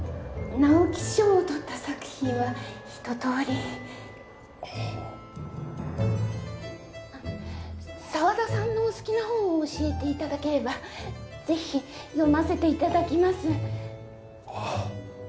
直木賞をとった作品は一とおりはああっ沢田さんのお好きな本を教えていただければぜひ読ませていただきますあっ